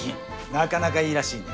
なかなかいいらしいね。